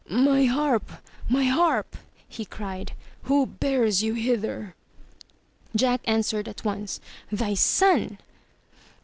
"My harp! My Harp!" he cried. "Who bears you hither?" Jack answered at once, "Thy son!"